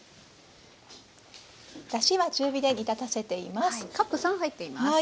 だしは中火で煮立たせています。